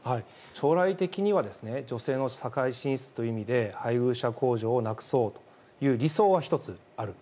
将来的には女性の社会進出という意味で配偶者控除をなくそうという理想は１つ、ある。